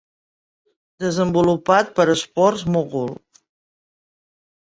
Desenvolupat per Sports Mogul.